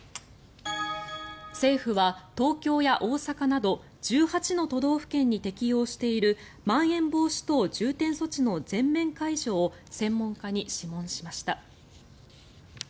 政府は東京や大阪など１８の都道府県に適用しているまん延防止等重点措置の全面解除を専門家に諮問しました。